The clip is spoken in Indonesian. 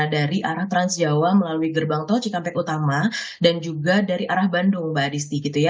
dari arah transjawa melalui gerbang tol cikampek utama dan juga dari arah bandung mbak disney gitu ya